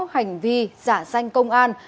hành vi giả sanh công an